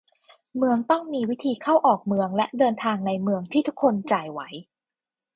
เมืองต้องมีวิธีเข้าออกเมืองและเดินทางในเมืองที่คนทุกคนจ่ายไหว